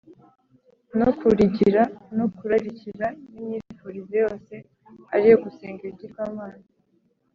no kurigira no kurarikira n’imyifurize yose ari yo gusenga ibigirwamana